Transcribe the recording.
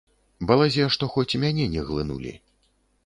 Балазе што хоць мяне не глынулі.